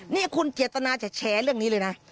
นี่คุณเจตนาจะแชร์เรื่องนี้เลยนะ